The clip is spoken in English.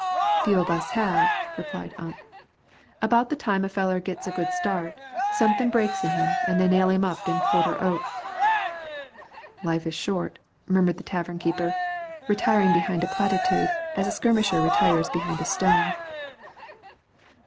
"Few of us have," replied Ump. "About the time a feller gits a good start, somethin' breaks in him an' they nail him up in quarter oak." "Life is short," murmured the tavern keeper, retiring behind a platitude as a skirmisher retires behind a stone.